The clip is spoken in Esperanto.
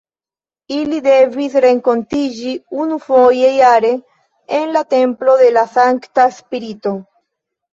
Ili devis renkontiĝi unufoje jare en la "Templo de la Sankta Spirito".